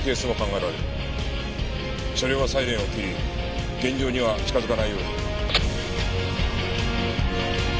車両はサイレンを切り現場には近づかないように。